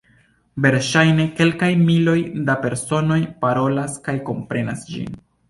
Verŝajne kelkaj miloj da personoj parolas kaj komprenas ĝin.